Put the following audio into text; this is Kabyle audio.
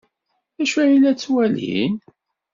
D acu ay la ttwalin?